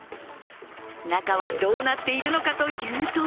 中はどうなっているのかというと